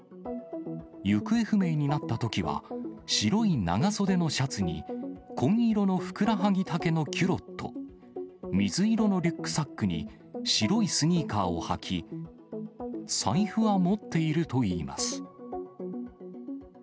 行方不明になったときは、白い長袖のシャツに、紺色のふくらはぎ丈のキュロット、水色のリュックサックに、白いスニーカーを履き、財布は持っているといいます。